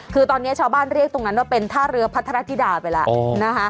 คือตอนนี้ชาวบ้านเรียกตรงนั้นว่าเป็นท่าเรือพัทรธิดาไปแล้วนะคะ